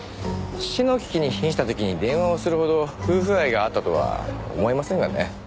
死の危機に瀕した時に電話をするほど夫婦愛があったとは思えませんがね。